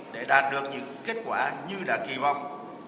để đạt được những kết quả như đã kỳ vọng